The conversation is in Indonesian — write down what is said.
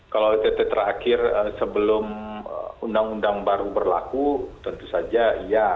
kalau ott terakhir sebelum undang undang baru berlaku tentu saja iya